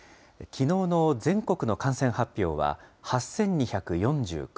きのうの全国の感染発表は８２４９人。